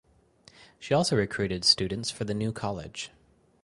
She also recruited students for the new college.